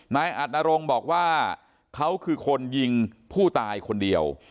นายอัดนรงค์บอกว่าเขาคือคนยิงผู้ตายคนเดียว